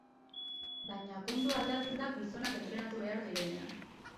Baina kontua aldatzen da gizonak entrenatu behar direnean.